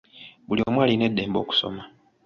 Buli omu alina eddembe okusoma.